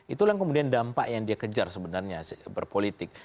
itulah kemudian dampak yang dia kejar sebenarnya berpolitik